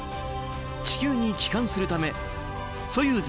地球に帰還するため「ソユーズ」